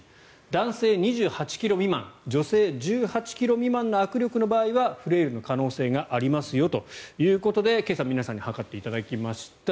男性２８ｋｇ未満女性１８ｋｇ未満の握力の場合はフレイルの可能性がありますよということで今朝、皆さんに測っていただきました。